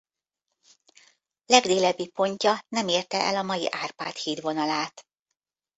Legdélebbi pontja nem érte el a mai Árpád híd vonalát.